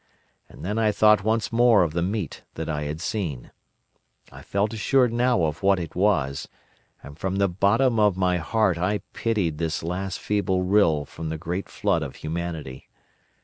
And then I thought once more of the meat that I had seen. I felt assured now of what it was, and from the bottom of my heart I pitied this last feeble rill from the great flood of humanity.